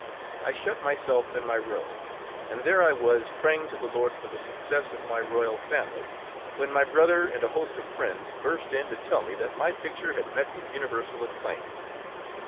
I shut myself in my room, and there I was, praying to the Lord for the success of my "Royal Family," when my brother and a host of friends burst in to tell me that my picture had met with universal acclaim.